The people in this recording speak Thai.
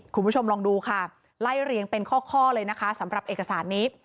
คุณผู้ชมลองดูค่ะไล่เรียงเป็นข้อเลยนะคะสำหรับเอกสารนี้